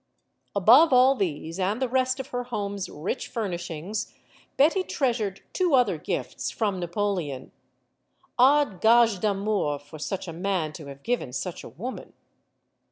Above all these and the rest of her home's rich fur nishings, Betty treasured two other gifts from Napoleon odd gages d'amour for such a man to have given such a woman.